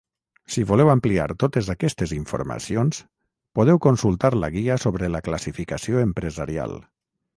Si voleu ampliar totes aquestes informacions, podeu consultar la Guia sobre la classificació empresarial.